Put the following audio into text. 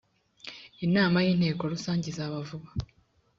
inama y ‘inteko rusange izaba vuba.